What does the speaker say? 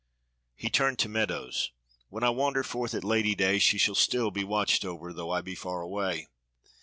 He turned to Meadows, "When I wander forth at Lady day she shall still be watched over though I be far away.